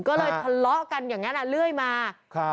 ก็เลยทะเลาะกันอย่างนั้นเรื่อยมา